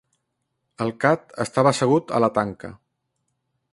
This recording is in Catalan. El cat estava assegut a la tanca.